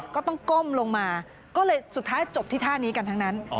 ต้องก้มลงมาก็เลยสุดท้ายจบที่ท่านี้กันทั้งนั้น